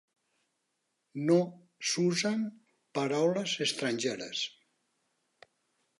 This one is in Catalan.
No s'usen paraules estrangeres.